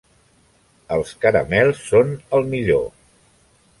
Els caramels són el millor.